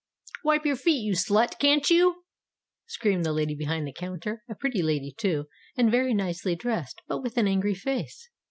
"Wipe your feet, you slut, can't you?" screamed the lady behind the counter a pretty lady, too, and very nicely dressed, but with an angry face.